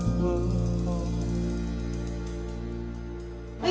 はい！